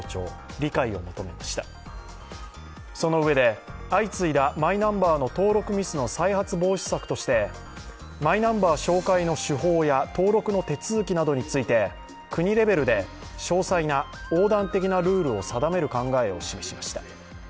理解を求めました、そのうえで相次いだマイナンバーの登録ミスの再発防止策としてマイナンバー照会の手法や登録の手続きなどについて国レベルで詳細な横断的なルールを定める考えを示しました。